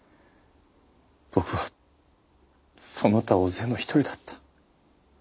僕はその他大勢の一人だった。